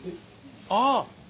ああ！